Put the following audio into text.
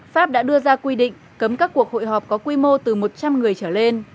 pháp đã đưa ra quy định cấm các cuộc hội họp có quy mô từ một trăm linh người trở lên